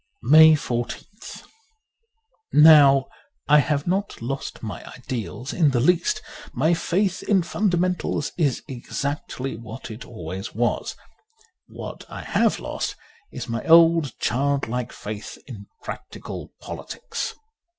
'' 146 MAY 14th NOW, I have not lost my ideals in the least ; my faith in fundamentals is exactly what it always was. What I have lost is my old childlike faith in practical politics.